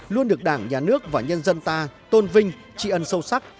luôn được đảng nhà nước và nhân dân ta tôn vinh tri ân sâu sắc